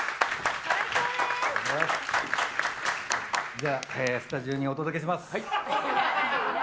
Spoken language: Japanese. じゃあスタジオにお届けします。